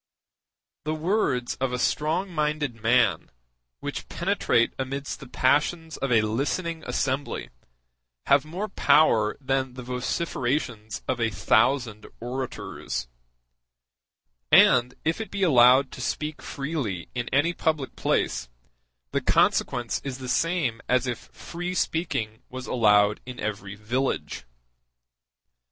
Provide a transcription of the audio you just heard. The words of a strong minded man, which penetrate amidst the passions of a listening assembly, have more power than the vociferations of a thousand orators; and if it be allowed to speak freely in any public place, the consequence is the same as if free speaking was allowed in every village.